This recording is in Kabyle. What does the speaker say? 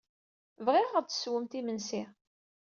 Bɣiɣ ad aɣ-d-tessewwemt imensi.